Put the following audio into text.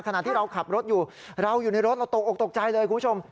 ขณะที่เราขับรถอยู่เราอยู่ในรถเราตกออกตกใจเลยคุณผู้ชม